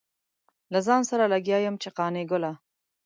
له ځان سره لګيا يم چې قانع ګله.